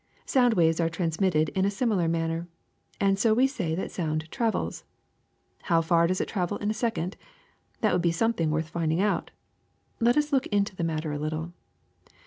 Sound waves are transmitted in a similar manner, and so we say that sound travels. How far does it travel in a second? That would be something worth finding out. Let us look into the matter a little.